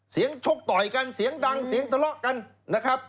ชกต่อยกันเสียงดังเสียงทะเลาะกันนะครับ